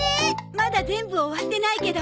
まだ全部終わってないけど。